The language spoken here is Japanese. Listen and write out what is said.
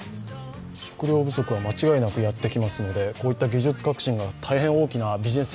食料不足は間違いなくやってきますので、こういった技術革新が大変大きくなる。